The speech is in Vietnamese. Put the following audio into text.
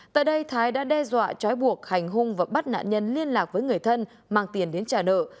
tại đây thái đã đe dọa trói buộc hành hung và bắt nạn nhân liên lạc với người thân mang tiền đến trả nợ